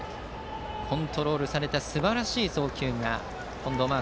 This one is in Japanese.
コントロールされたすばらしい送球が近藤真亜